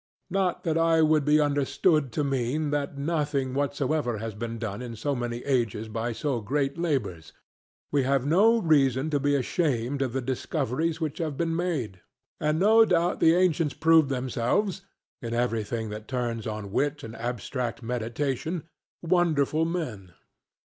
Not that I would be understood to mean that nothing whatever has been done in so many ages by so great labours. We have no reason to be ashamed of the discoveries which have been made, and no doubt the ancients proved themselves in everything that turns on wit and abstract meditation, wonderful men.